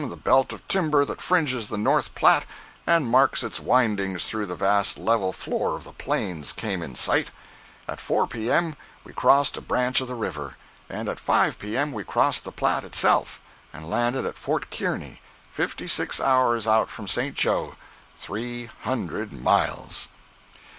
the belt of timber that fringes the North Platte and marks its windings through the vast level floor of the Plains came in sight. At 4 P.M. we crossed a branch of the river, and at 5 P.M. we crossed the Platte itself, and landed at Fort Kearney, fifty six hours out from St. Joe—THREE HUNDRED MILES!